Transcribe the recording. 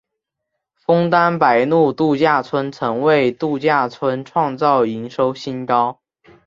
枫丹白露度假村曾为度假村创造营收新高。